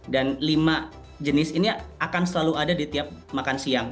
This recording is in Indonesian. dan lima jenis ini akan selalu ada di tiap makan siang